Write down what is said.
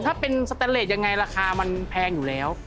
ถ้าเป็นสแตนเลสยังไงราคามันแพงอยู่แล้ว